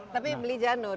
tapi beli janur